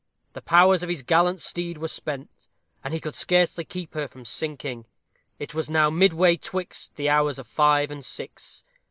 The powers of his gallant steed were spent, and he could scarcely keep her from sinking. It was now midway 'twixt the hours of five and six.